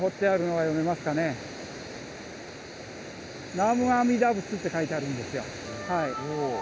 南元阿弥陀佛って書いてあるんですよ。